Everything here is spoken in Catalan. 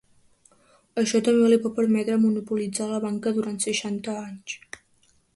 Això també li va permetre monopolitzar la banca durant seixanta anys.